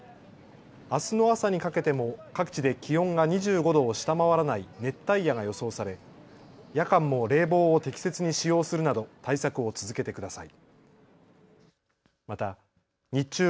あすの朝にかけても各地で気温が２５度を下回らない熱帯夜が予想され夜間も冷房を適切に使用するなど対策を続けてください。